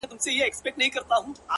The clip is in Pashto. زما کار نسته بُتکده کي؛ تر کعبې پوري _